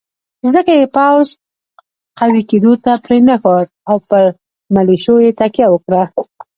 ځکه یې پوځ قوي کېدو ته پرېنښود او پر ملېشو یې تکیه وکړه.